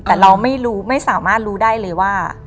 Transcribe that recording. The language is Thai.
แต่เราไม่รู้ไม่สามารถรู้ได้เลยว่า